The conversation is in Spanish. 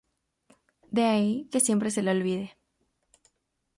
De ahí que siempre se le olvide.